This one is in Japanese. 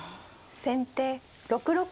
先手６六歩。